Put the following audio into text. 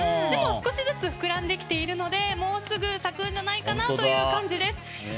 でも、少しずつ膨らんできているのでもうすぐ咲くんじゃないかなという感じです。